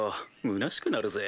むなしくなるぜ。